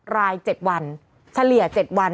รายเจ็ดวันเฉลี่ยเจ็ดวัน